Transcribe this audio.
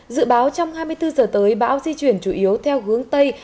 dự báo trong hai mươi bốn giờ tới bão di chuyển chủ yếu theo hướng tây